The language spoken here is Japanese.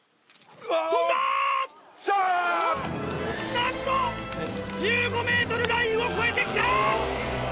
なんと１５ｍラインを越えてきた！